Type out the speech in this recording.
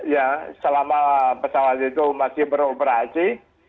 ya selama pesawat itu masih beroperasi